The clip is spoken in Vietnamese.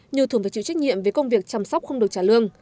như thường phải chịu trách nhiệm về công việc chăm sóc không được trả lương